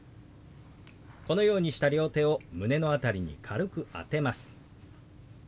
このようにした両手を胸の辺りに軽く当てます。